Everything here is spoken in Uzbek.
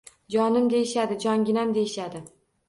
— Jonim deyishadi, jonginam deyishadi.